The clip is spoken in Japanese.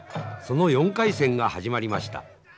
その４回戦が始まりました。